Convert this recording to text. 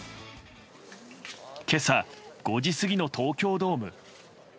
今朝５時過ぎの東京ドーム。